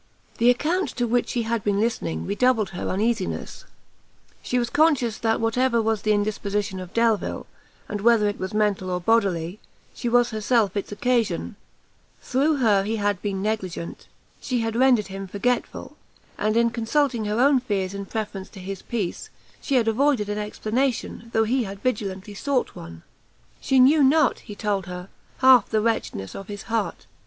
The account to which she had been listening redoubled her uneasiness; she was conscious that whatever was the indisposition of Delvile, and whether it was mental or bodily, she was herself its occasion; through her he had been negligent, she had rendered him forgetful, and in consulting her own fears in preference to his peace, she had avoided an explanation, though he had vigilantly sought one. She knew not, he told her, half the wretchedness of his heart.